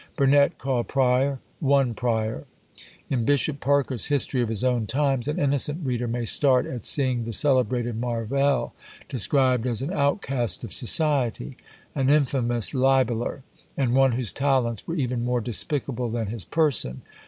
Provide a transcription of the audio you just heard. Burnet called Prior, one Prior. In Bishop Parker's History of his Own Times, an innocent reader may start at seeing the celebrated Marvell described as an outcast of society; an infamous libeller; and one whose talents were even more despicable than his person.